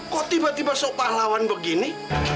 kok tiba tiba so pahlawan begini